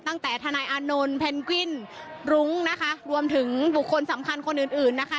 ทนายอานนท์แพนกวินรุ้งนะคะรวมถึงบุคคลสำคัญคนอื่นอื่นนะคะ